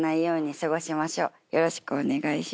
よろしくお願いします。